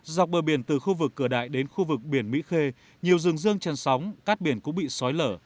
dọc bờ biển từ khu vực cửa đại đến khu vực biển mỹ khê nhiều rừng rương chân sóng các biển cũng bị xói lở